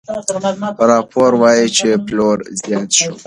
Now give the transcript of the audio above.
راپور وايي چې پلور زیات شو.